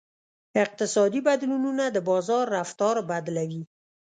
اقتصادي بدلونونه د بازار رفتار بدلوي.